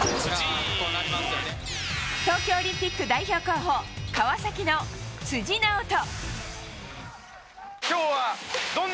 東京オリンピック代表候補川崎の辻直人。